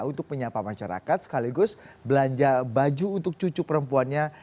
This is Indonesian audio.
untuk menyapa masyarakat sekaligus belanja baju untuk cucu perempuannya